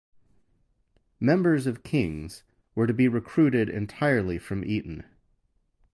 Members of King's were to be recruited entirely from Eton.